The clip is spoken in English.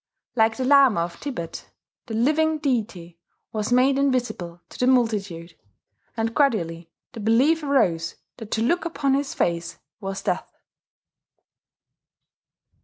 Like the Lama of Thibet the living deity was made invisible to the multitude; and gradually the belief arose that to look upon his face was death....